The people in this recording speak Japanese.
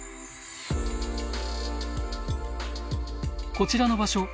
こちらの場所